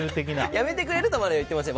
やめてくれるとまでは言ってません。